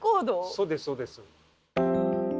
そうですそうです。